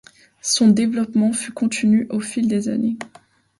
Son développement fut continu au fil des années.